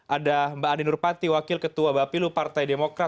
ada mbak andi nurpati wakil ketua bapilu partai demokrat